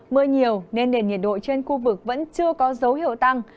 mưa nhiều nên nền nhiệt độ trên khu vực vẫn chưa có dấu hiệu tăng